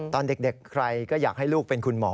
ตอนเด็กใครก็อยากให้ลูกเป็นคุณหมอ